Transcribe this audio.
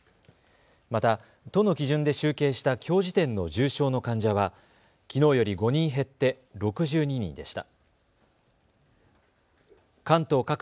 また、都の基準で集計したきょう時点の重症の患者はきのうより５人減って６２人でした。